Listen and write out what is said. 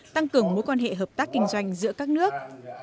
tăng cường mối quan hệ hợp tác kinh doanh giữa các nước